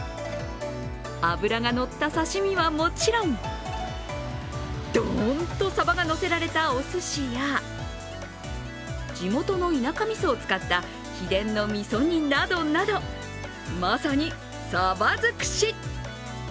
脂がのった刺身はもちろん、ドーンとサバがのせられたおすしや、地元の田舎みそを使った秘伝のみそ煮などなどまさにサバ尽くし。